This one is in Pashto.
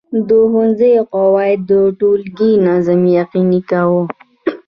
د ښوونځي قواعد د ټولګي نظم یقیني کاوه.